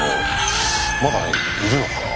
まだいるのかな